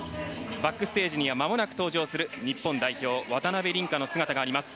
バックステージには、まもなく登場する、日本代表渡辺倫果の姿があります。